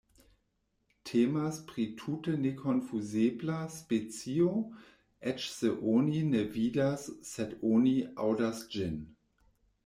Temas pri tute nekonfuzebla specio, eĉ se oni ne vidas sed oni aŭdas ĝin.